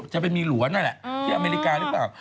จะมีหลัวนั่นแหละที่อเมริกาหรือเปล่า